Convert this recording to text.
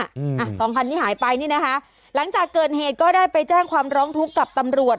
อ่ะสองคันที่หายไปนี่นะคะหลังจากเกิดเหตุก็ได้ไปแจ้งความร้องทุกข์กับตำรวจ